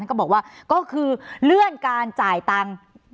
ก็บอกว่าก็คือเลื่อนการจ่ายตังค์